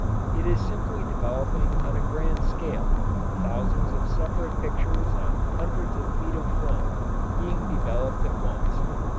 It is simply developing on a grand scale, thousands of separate pictures on hundreds of feet of film being developed at once.